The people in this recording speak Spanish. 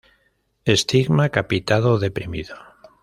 Estigma capitado-deprimido.